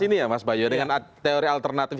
ini ya mas bayu dengan teori alternatif